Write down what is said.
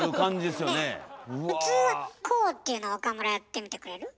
普通はこうっていうの岡村やってみてくれる？